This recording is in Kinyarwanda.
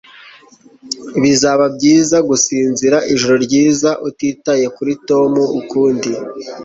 Bizaba byiza gusinzira ijoro ryiza utitaye kuri Tom ukundi